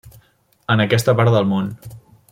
En aquesta part del món.